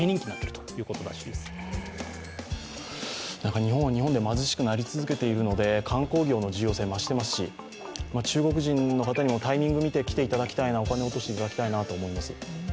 日本は日本で貧しくなり続けているので、観光業の重要性、増していますし、中国人の方にもタイミングを見て来ていただきたいな、お金を落としていただきたいなと思います。